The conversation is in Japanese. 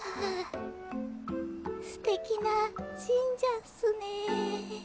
ステキな神社っすねえ。